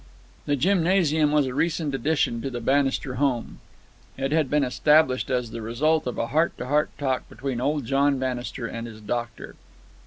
The gymnasium was a recent addition to the Bannister home. It had been established as the result of a heart to heart talk between old John Bannister and his doctor.